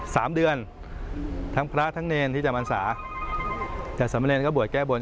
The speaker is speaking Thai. สามเดือนทั้งพระทั้งเนรที่จำอันสาร์แต่สำพะเนรก็บวชแก้บน